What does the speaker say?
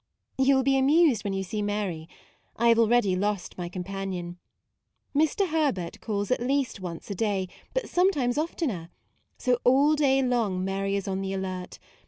You will be amused when you see Mary: I have already lost my com panion. Mr. Herbert calls at least once a day, but sometimes oftener; so all day long Mary is on the alert.